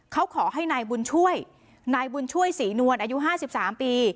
เขาขอให้นายบุญช่วยนายบุญช่วยศรีนวลอายุ๕๓ปี